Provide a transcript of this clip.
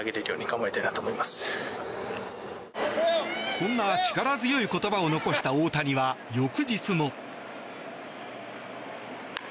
そんな力強い言葉を残した大谷は翌日も。